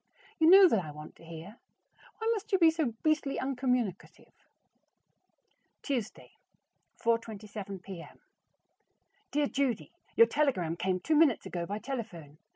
You know that I want to hear. Why must you be so beastly uncommunicative? Tuesday, 4:27 P.M. Dear Judy: Your telegram came two minutes ago by telephone.